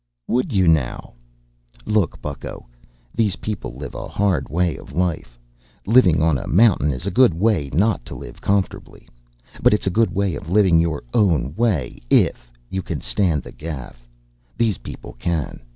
"Would you, now? Look, bucko these people live a hard way of life. Living on a mountain is a good way not to live comfortably. But it's a good way of living your own way, if you can stand the gaff. These people can.